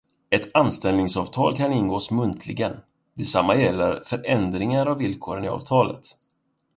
Ett anställningsavtal kan ingås muntligen, detsamma gäller för ändringar av villkoren i avtalet.